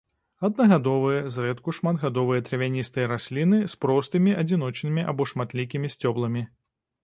Аднагадовыя, зрэдку шматгадовыя травяністыя расліны з простымі адзіночнымі або шматлікімі сцёбламі.